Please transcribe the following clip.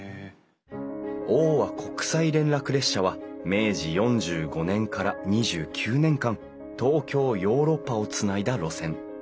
欧亜国際連絡列車は明治４５年から２９年間東京ヨーロッパをつないだ路線。